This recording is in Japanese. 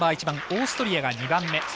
１番オーストリアが２番目。